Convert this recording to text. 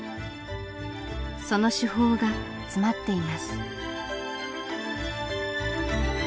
その手法が詰まっています。